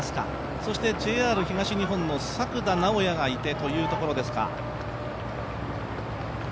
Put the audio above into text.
そしてＪＲ東日本の作田直也がいてというところですか。